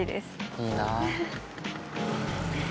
いいな。